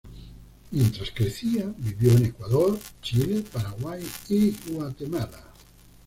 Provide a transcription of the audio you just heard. Mientras crecía, vivió en Ecuador, Chile, Paraguay y Guatemala.